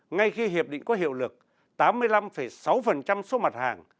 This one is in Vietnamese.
ngay khi hiệp định có hiệu lực tám mươi năm sáu số mặt hàng